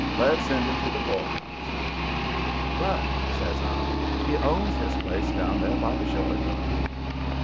Let's send him to the poorhouse." "But," says I, "he owns his place down there by the shore, don't he?"